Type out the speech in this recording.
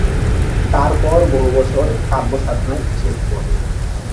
তারপর বহু বছর কাব্য সাধনায় ছেদ পড়ে।